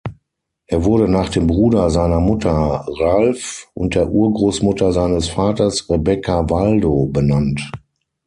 Er wurde nach dem Bruder seiner Mutter, Ralph, und der Urgroßmutter seines Vaters, Rebecca Waldo, benannt.